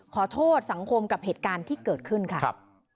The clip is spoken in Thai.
ขอโทษสังคมกับเหตุการณ์ที่เกิดขึ้นค่ะ